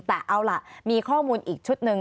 แต่เอาล่ะมีข้อมูลอีกชุดหนึ่ง